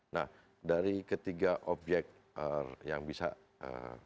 nah dari ketiga obyek yang bisa dijadikan obyek